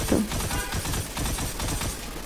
পড়তে পড়তে রাত হয়ে গেল দেড়টা।